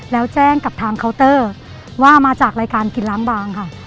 แล้วแจ้งกับทางเคาน์เตอร์ว่ามาจากรายการกินล้างบางค่ะ